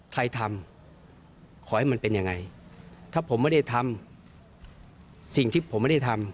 สิ่งที่ผมไม่ได้ทำ